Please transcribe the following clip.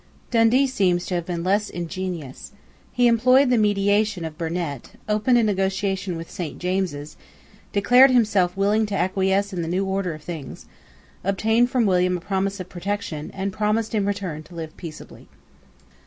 Dundee seems to have been less ingenuous. He employed the mediation of Burnet, opened a negotiation with Saint James's, declared himself willing to acquiesce in the new order of things, obtained from William a promise of protection, and promised in return to live peaceably.